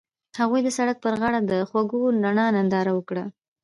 هغوی د سړک پر غاړه د خوږ رڼا ننداره وکړه.